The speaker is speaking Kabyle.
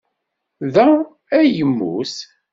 Da ay yemmut.